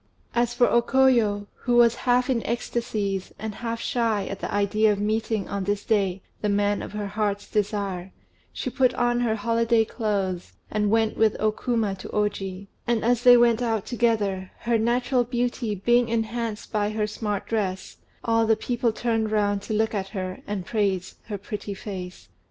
As for O Koyo, who was half in ecstasies, and half shy at the idea of meeting on this day the man of her heart's desire, she put on her holiday clothes, and went with O Kuma to Oji; and as they went out together, her natural beauty being enhanced by her smart dress, all the people turned round to look at her, and praise her pretty face.